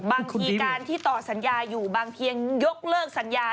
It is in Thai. บางทีการที่ต่อสัญญาอยู่บางเพียงยกเลิกสัญญา